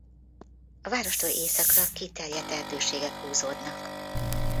A várostól északra kiterjedt erdőségek húzódnak.